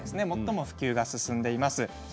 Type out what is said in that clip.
最も普及が進んでいます。